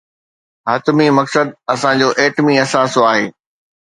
حتمي مقصد اسان جو ايٽمي اثاثو آهي.